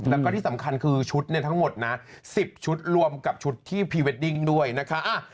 แล้วก็ที่สำคัญคือชุดทั้งหมดนะ๑๐ชุดรวมกับชุดที่พรีเวดดิ้งด้วยนะคะ